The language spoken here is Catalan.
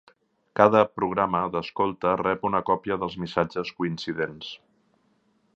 Cada programa d'escolta rep una còpia dels missatges coincidents.